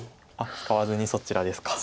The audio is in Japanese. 使わずにそちらですか。